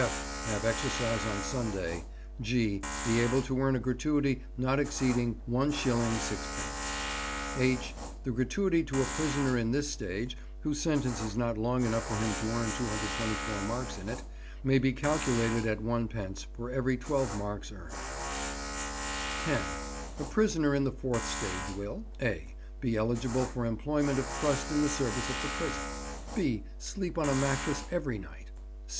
(f) Have exercise on Sunday. (g) Be able to earn a gratuity not exceeding 1s. 6d. (h) The gratuity to a prisoner in this stage, whose sentence is not long enough for him to earn 224 marks in it, may be calculated at 1d. for every 12 marks earned. 10. A prisoner in the fourth stage will— (a) Be eligible for employment of trust in the service of the prison. (b) Sleep on a Mattress every night.